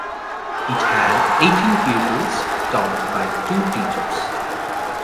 It had eighteen pupils taught by two teachers.